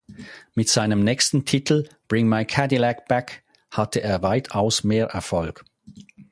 Mit seinem nächsten Titel, "Bring My Cadillac Back", hatte er weitaus mehr Erfolg.